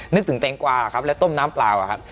นึกถึงแตงกวาครับและต้มน้ำเปล่าอะครับ